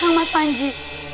kang mas panji